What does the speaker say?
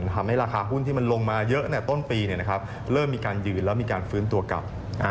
ทำให้ราคาหุ้นที่มันลงมาเยอะต้นปีเริ่มมีการยืนแล้วมีการฟื้นตัวกลับ